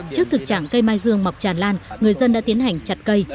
trước thực trạng cây mai dương mọc tràn lan người dân đã tiến hành chặt cây